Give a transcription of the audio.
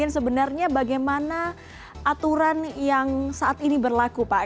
sebenarnya bagaimana aturan yang saat ini berlaku pak